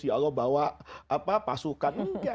ya allah bawa pasukan